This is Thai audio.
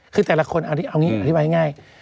คือแต่ละคนเอางี้อธิบายง่าย